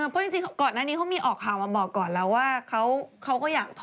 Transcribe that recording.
เพราะจริงก่อนหน้านี้เขามีออกข่าวมาบอกก่อนแล้วว่าเขาก็อยากท้อ